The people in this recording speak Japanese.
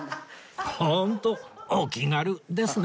ホントお気軽ですね